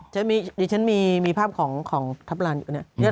ฉันมีภาพของทัพรานอยู่นี่